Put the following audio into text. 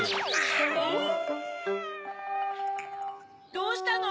・どうしたの？